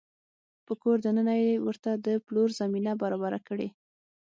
په کور دننه يې ورته د پلور زمینه برابره کړې